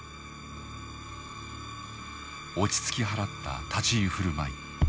落ち着き払った立ち居振る舞い。